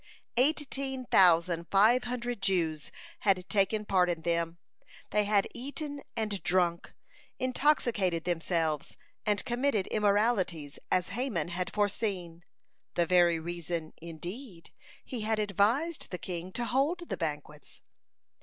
Eighteen thousand five hundred Jews had taken part in them; they had eaten and drunk, intoxicated themselves and committed immoralities, as Haman had foreseen, the very reason, indeed, he had advised the king to hold the banquets.